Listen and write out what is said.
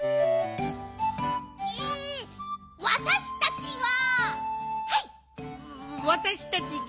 えわたしたちは。